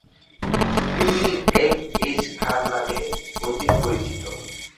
তিনি F H Khan নামেই অধিক পরিচিত।